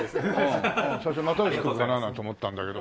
最初又吉君かななんて思ったんだけど。